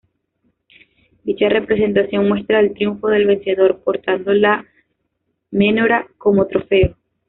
Dicha representación muestra el triunfo del vencedor, portando la menorá como trofeo.